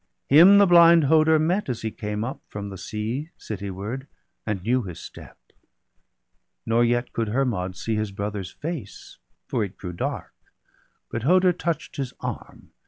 Him the blind Hoder met, as he came up From the sea cityward, and knew his step; Nor yet could Hermod see his brother's face, For it grew dark ; but Hoder touch'd his arm.